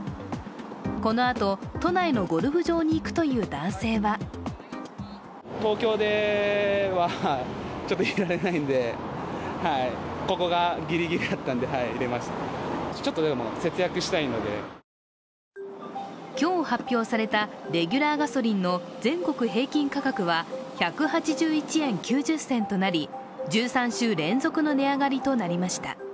このあと都内のゴルフ場に行くという男性は今日、発表されたレギュラーガソリンの全国平均価格は１８１円９０銭となり、１３週連続の値上がりとなりました。